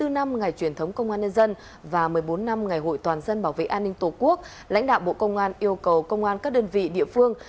hai mươi năm năm ngày truyền thống công an nhân dân và một mươi bốn năm ngày hội toàn dân bảo vệ an ninh tổ quốc lãnh đạo bộ công an yêu cầu công an các đơn vị địa phương